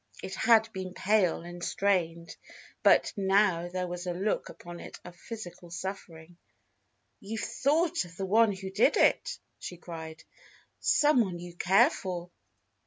It had been pale and strained, but now there was a look upon it of physical suffering. "You've thought of the one who did it!" she cried. "Someone you care for!"